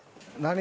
何？